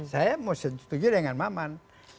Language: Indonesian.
saya mau setuju dengan maman